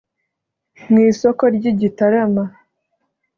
Mu isoko ry'i Gitarama